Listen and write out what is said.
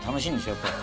やっぱり。